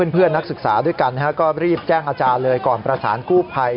เพื่อนนักศึกษาเรียบแจ้งอาจารย์แรกก่อนประสานกู่ไพร